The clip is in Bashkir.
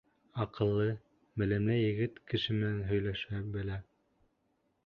Аҡыллы, белемле егет, кеше менән һөйләшә белә.